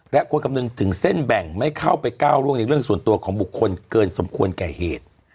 และควรคำนึงถึงเส้นแบ่งไม่เข้าไปก้าวร่วงในเรื่องส่วนตัวของบุคคลเกินสมควรแก่เหตุ